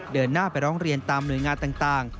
เดินหน้าไปร้องเรียนตามหน่วยงานต่าง